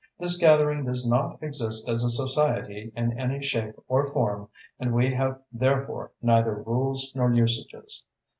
This gathering does not exist as a society in any shape or form and we have therefore neither rules nor usages.